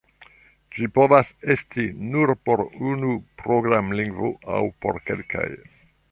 Ĝi povas esti nur por unu programlingvo aŭ por kelkaj.